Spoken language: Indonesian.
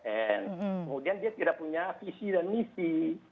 kemudian dia tidak punya visi dan misi